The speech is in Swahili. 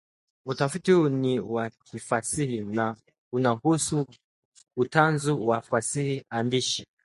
Utafiti huu ni wa kifasihi na unahusu utanzu wa fasihi andishi